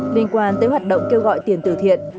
bên quan tới hoạt động kêu gọi tiền từ thiện